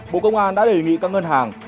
bộ công an đã đề nghị các ngân hàng